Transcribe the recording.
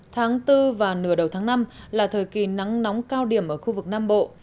tháng bốn và nửa đầu tháng năm là thời kỳ nắng nóng cao điểm ở khu vực nam bộ